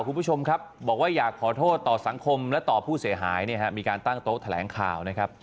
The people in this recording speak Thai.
บอกว่าอยากขอโทษต่อสังคมและต่อผู้เสียหายมีการตั้งโต๊ะแถลงข่าว